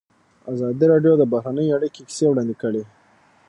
ازادي راډیو د بهرنۍ اړیکې کیسې وړاندې کړي.